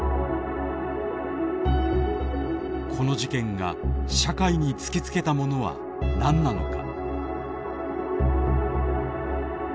この事件が社会に突きつけたものは何なのか。